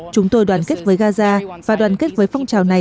chúng tôi đoàn kết với gaza và đoàn kết với phong trào này